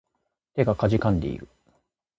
手が悴んでいる